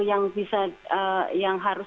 yang bisa yang harus